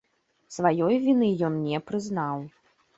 Сваёй віны ён не прызнаў.